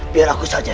biar aku saja rai